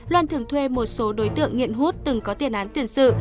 loan thường thuê một số đối tượng nghiện hút từng có tiền án tiền sự